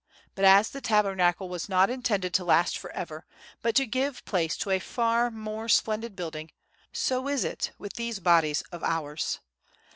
But as the Tabernacle was not intended to last forever, but to give place to a far more splendid building, so is it with these bodies of ours.